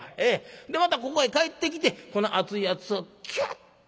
でまたここへ帰ってきてこの熱いやつをキュッと。